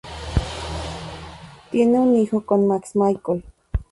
Tiene un hijo con Max, Michael.